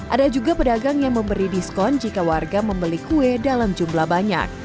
ada juga pedagang yang memberi diskon jika warga membeli kue dalam jumlah banyak